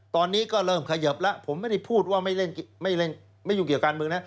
ตอนนี้ก็เริ่มเขยิบแล้วผมไม่ได้พูดว่าไม่ยุ่งเกี่ยวการเมืองนะ